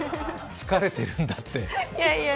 疲れてるんだって。